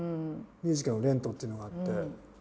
ミュージカルの「ＲＥＮＴ」っていうのがあって。